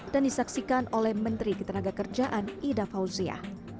dan disaksikan oleh menteri ketenaga kerjaan ida fauzia